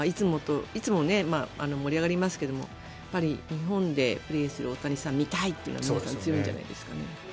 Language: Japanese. いつも盛り上がりますけども日本でプレーする大谷さんを見たいというのは皆さん強いんじゃないですかね。